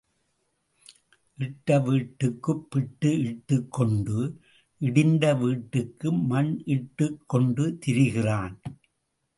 இட்ட வீட்டுக்குப் பிட்டு இட்டுக்கொண்டு, இடிந்த வீட்டுக்கு மண் இட்டுக் கொண்டு திரிகிறான்.